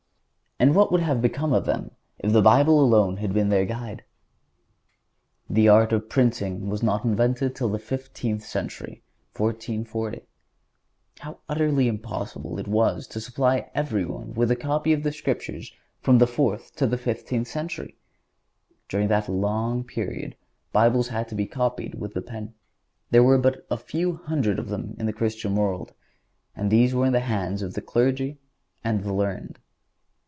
And what would have become of them if the Bible alone had been their guide? The art of printing was not invented till the fifteenth century (1440). How utterly impossible it was to supply everyone with a copy of the Scriptures from the fourth to the fifteenth century! During that long period Bibles had to be copied with the pen. There were but a few hundred of them in the Christian world, and these were in the hands of the clergy and the learned.